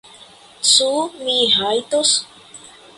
Ĉu mi rajtos?